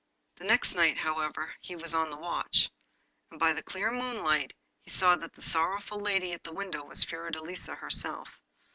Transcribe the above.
The next night, however, he was on the watch, and by the clear moonlight he saw that the sorrowful lady at the window was Fiordelisa herself.